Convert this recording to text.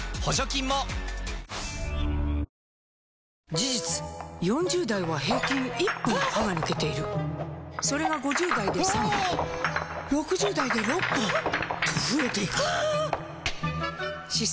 事実４０代は平均１本歯が抜けているそれが５０代で３本６０代で６本と増えていく歯槽